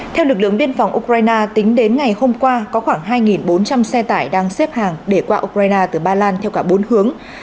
theo lực lượng biên phòng ukraine tính đến ngày hôm qua có khoảng hai bốn trăm linh xe tải đang xếp hàng để qua ukraine từ ba lan theo cả bốn hướng